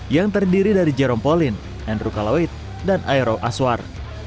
yang terdiri dari jerome pauline andrew kalaweit dan aero aswar